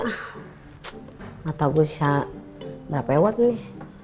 ah gak tau gue sisa berapa ewat nih